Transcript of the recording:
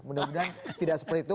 mudah mudahan tidak seperti itu